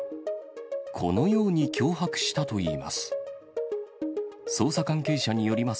このように脅迫したといいます。